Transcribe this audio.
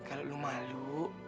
kalau lo malu